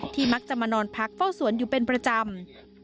มักจะมานอนพักเฝ้าสวนอยู่เป็นประจำ